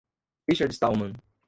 Richard Stallman